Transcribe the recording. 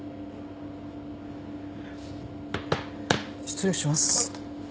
失礼します。